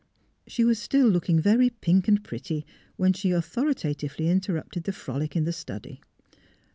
She was still looking very pink and pretty when she authoritatively interrupted the frolic in the study.